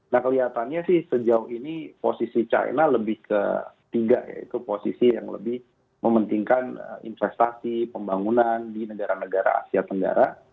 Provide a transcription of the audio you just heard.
nah kelihatannya sih sejauh ini posisi china lebih ke tiga yaitu posisi yang lebih mementingkan investasi pembangunan di negara negara asia tenggara